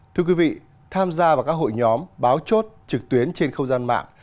thưa quý vị tham gia vào các hội nhóm báo chốt trực tuyến trên không gian mạng